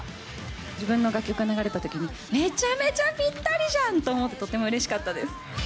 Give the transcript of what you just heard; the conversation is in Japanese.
自分の楽曲が流れたときに、めちゃめちゃぴったりじゃんと思って、とってもうれしかったです。